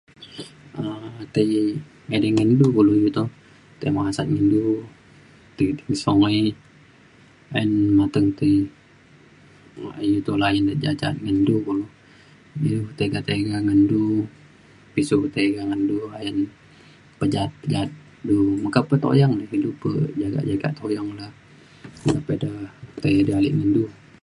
um edi ngendu ti kelo tai masat ngan du tai sungai. ayen mateng ti layan ja’at ngan du kulu. ilu petiga tiga ngan du pisiu tiga ngan du ayen pejaa’at ja’at du meka pe tuyang men du pe jagak jagak tuyang le